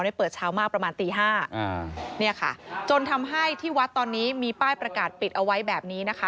เปิดเช้ามากประมาณตีห้าอ่าเนี่ยค่ะจนทำให้ที่วัดตอนนี้มีป้ายประกาศปิดเอาไว้แบบนี้นะคะ